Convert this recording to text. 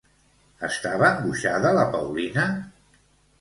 Estava angoixada la Paulina?